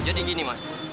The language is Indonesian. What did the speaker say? jadi gini mas